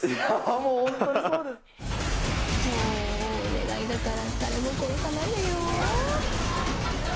もうお願いだから誰も殺さないでよー。